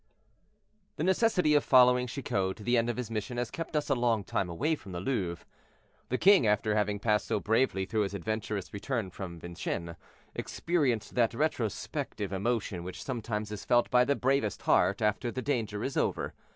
The necessity of following Chicot to the end of his mission has kept us a long time away from the Louvre. The king, after having passed so bravely through his adventurous return from Vincennes, experienced that retrospective emotion which sometimes is felt by the bravest heart after the danger is over.